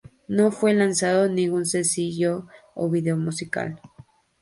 No fue lanzado ningún sencillo o video musical.